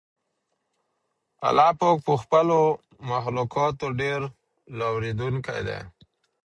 الله پاک پر خپلو مخلوقاتو ډېر لورېدونکی دی.